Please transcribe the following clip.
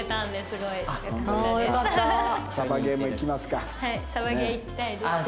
はいサバゲー行きたいです。